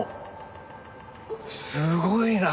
すごいな。